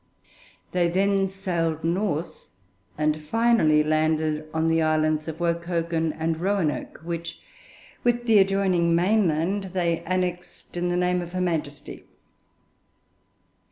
They then sailed north, and finally landed on the islands of Wokoken and Roanoke, which, with the adjoining mainland, they annexed in the name of her Majesty.